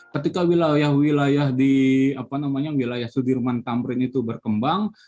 ketika wilayah wilayah di wilayah sudirman tamrin itu berkembang